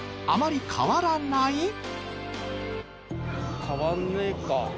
あまり変わらない？